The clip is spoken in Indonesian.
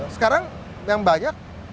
sekarang yang banyak